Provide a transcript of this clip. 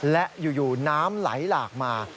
และอยู่น้ำไหลหลากมา